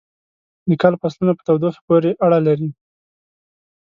د کال فصلونه په تودوخې پورې اړه لري.